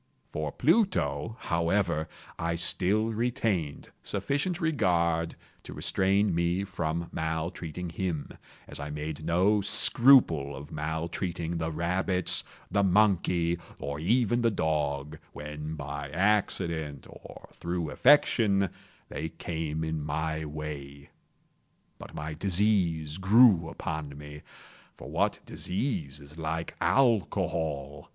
For Pluto, however, I still retained sufficient regard to restrain me from maltreating him, as I made no scruple of maltreating the rabbits, the monkey, or even the dog, when by accident, or through affection, they came in my way. But my disease grew upon me—for what disease is like Alcohol!